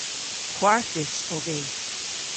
Hwarthus ov vy.